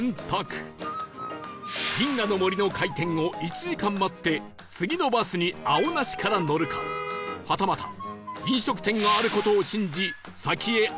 銀河の森の開店を１時間待って次のバスに青梨から乗るかはたまた飲食店がある事を信じ先へ歩いて進むか